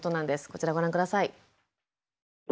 こちらご覧下さい。